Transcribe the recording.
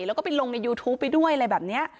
แล้วก็ไปลงในยูทูปไปด้วยอะไรแบบนี้